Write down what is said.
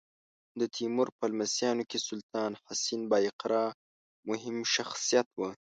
د تیمور په لمسیانو کې سلطان حسین بایقرا مهم شخصیت و.